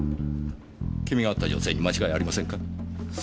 君が会った女性に間違いありませんか？